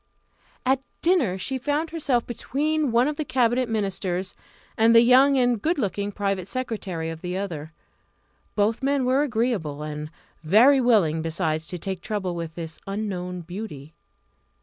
At dinner she found herself between one of the Cabinet ministers and the young and good looking private secretary of the other. Both men were agreeable, and very willing, besides, to take trouble with this unknown beauty.